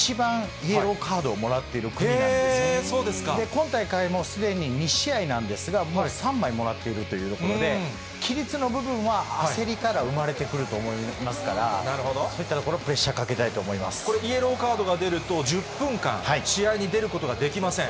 今大会も、すでに２試合なんですが、もう３枚もらっているというところで、亀裂の部分は焦りから生まれてくると思いますから、そういったところ、プレッシャーかけたこれ、イエローカードが出ると、１０分間、試合に出ることができません。